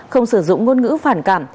không sử dụng ngôn ngữ phản cảm